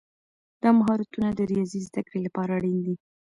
دا مهارتونه د ریاضي زده کړې لپاره اړین دي.